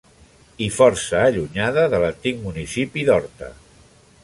I força allunyada de l'antic municipi d'Horta.